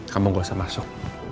kamu gak usah masuk